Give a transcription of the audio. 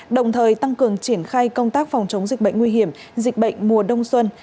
đồng thời tăng cường triển khai công tác phòng chống dịch bệnh nguy hiểm dịch bệnh mùa đông xuân